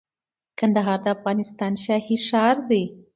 کندهار د افغانستان شاهي ښار دي